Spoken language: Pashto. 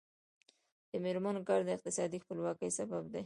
د میرمنو کار د اقتصادي خپلواکۍ سبب دی.